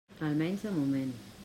Almenys de moment.